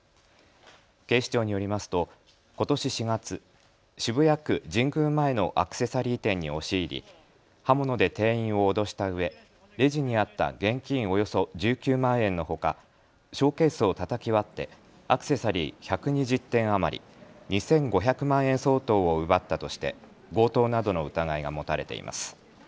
警視庁によりますとことし４月、渋谷区神宮前のアクセサリー店に押し入り刃物で店員を脅したうえレジにあった現金およそ１９万円のほかショーケースをたたき割ってアクセサリー１２０点余り、２５００万円相当を奪ったとして強盗などの疑いが持たれています。